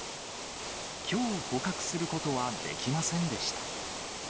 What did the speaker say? きょう捕獲することはできませんでした。